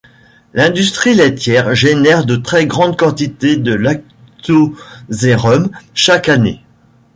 L'industrie laitière génère de très grandes quantités de lactosérum chaque année.